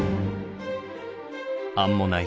アンモナイト。